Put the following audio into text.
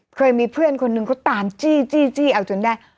เคยมีเพื่อนคนหนึ่งเขาตามจี้เอาจนได้